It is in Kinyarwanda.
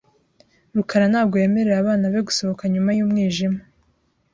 rukara ntabwo yemerera abana be gusohoka nyuma y'umwijima .